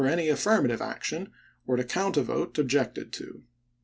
any affirmative action, or to count a vote objected to.